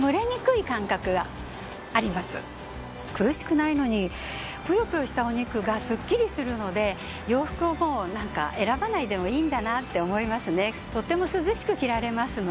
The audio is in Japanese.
苦しくないのにプヨプヨしたお肉がスッキリするので洋服を選ばないでもいいんだなって思いますね。